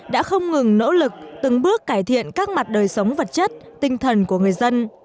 đã không ngừng nỗ lực từng bước cải thiện các mặt đời sống vật chất tinh thần của người dân